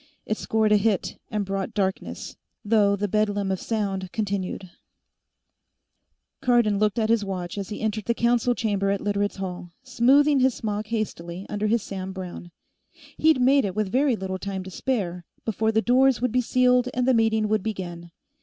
It scored a hit, and brought darkness, though the bedlam of sound continued. Cardon looked at his watch as he entered the Council Chamber at Literates' Hall, smoothing his smock hastily under his Sam Browne. He'd made it with very little time to spare, before the doors would be sealed and the meeting would begin.